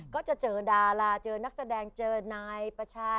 ก็จะเจอดาราเจอนักแสดงเจอนายประชา